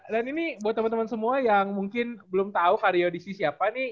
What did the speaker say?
dan ini buat temen temen semua yang mungkin belum tau karyo di siapa nih